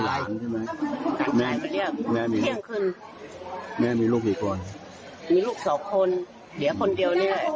อ๋อหลานใช่ไหมแม่แม่มีแม่มีลูกอีกก่อนมีลูกสองคนเดี๋ยวคนเดียวนี่